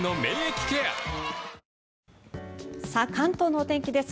関東のお天気です。